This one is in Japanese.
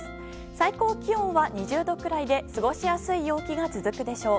最高気温は２０度くらいで過ごしやすい陽気が続くでしょう。